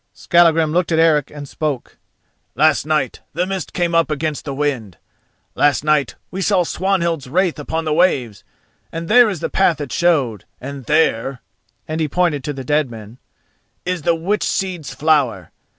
Skallagrim looked at Eric and spoke: "Last night the mist came up against the wind: last night we saw Swanhild's wraith upon the waves, and there is the path it showed, and there"—and he pointed to the dead men—"is the witch seed's flower.